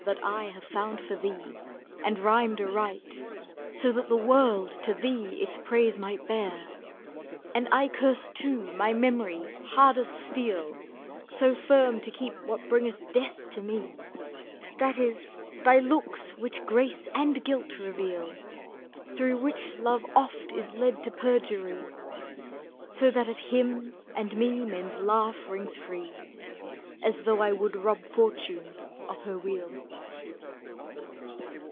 That I have found for thee, and rhymed aright. So that the world to thee its praise might bear. And I curse too my memory hard as steel. So firm to keep what bringeth death to me, ^° That is, thy looks which grace and guilt reveal. Through which Love oft is led to perjury; So that at him and me men's laugh rings free, As though I would rob Fortune of her wheel.